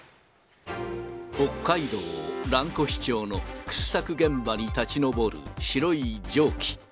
北海道蘭越町の掘削現場に立ち上る白い蒸気。